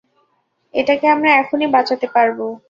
এটাকে আমরা এখন-ই বাঁচাতে পারবো।